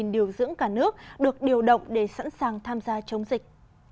một trăm hai mươi năm điều dưỡng cả nước được điều động để sẵn sàng tham gia chống dịch